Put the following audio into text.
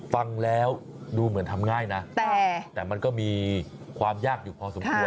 ฟังแล้วดูเหมือนทำง่ายนะแต่มันก็มีความยากอยู่พอสมควร